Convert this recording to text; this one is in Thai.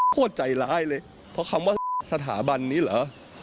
ใจร้ายเลยเพราะคำว่าสถาบันนี้เหรอ